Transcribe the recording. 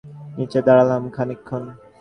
আমি বিশাল একটা বকুলগাছের নিচে দাঁড়ালাম খানিকক্ষণ।